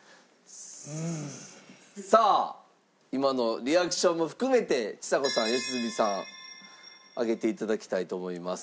さあ今のリアクションも含めてちさ子さん良純さん上げて頂きたいと思います。